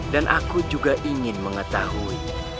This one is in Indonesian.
dan aku juga ingin mengetahui